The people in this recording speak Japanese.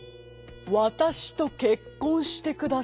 「わたしとけっこんしてください」。